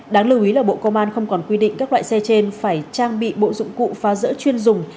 đáng lưu ý là bộ công an không còn quy định các loại xe trên phải trang bị bộ dụng cụ phá rỡ chuyên dùng